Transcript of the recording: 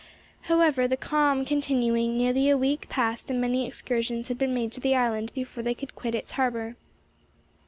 However, the calm continuing, nearly a week passed and many excursions had been made to the island before they could quit its harbor.